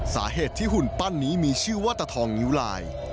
สาเหตุที่หุ่นปั้นนี้มีชื่อว่าตะทองนิ้วลาย